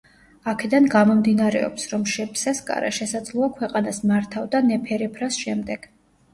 აქედან გამომდინარეობს, რომ შეპსესკარა შესაძლოა ქვეყანას მართავდა ნეფერეფრას შემდეგ.